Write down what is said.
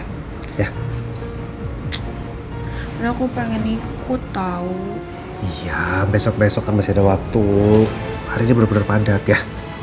udah aku pengen ikut tau iya besok besok kan masih ada waktu hari ini bener bener padat ya